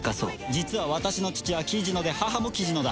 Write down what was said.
実は私の父は雉野で母も雉野だ。